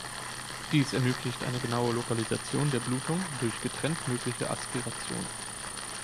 Dies ermöglicht eine genaue Lokalisation der Blutung durch getrennt mögliche Aspiration.